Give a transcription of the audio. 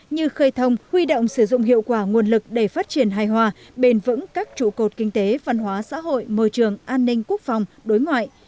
như khơi thông huy động sử dụng hiệu quả nguồn lực để phát triển hài hòa bền vững các trụ cột kinh tế văn hóa xã hội môi trường an ninh quốc phòng đối ngoại